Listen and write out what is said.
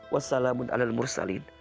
wassalamun ala mursalin